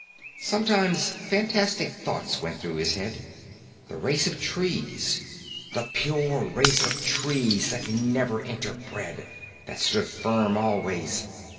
Sometimes, fantastic thoughts went through his head. The race of trees, the pure race of trees that never interbred, that stood firm always.